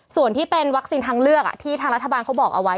ส่วนที่เป็นวัคซีนทางเลือกที่ทางรัฐบาลเขาบอกเอาไว้